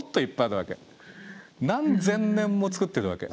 何千年も作ってるわけ。